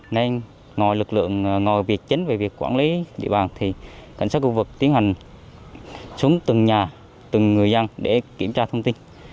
nên ngoài lực lượng ngồi việc chính về việc quản lý địa bàn thì cảnh sát khu vực tiến hành xuống từng nhà từng người dân để kiểm tra thông tin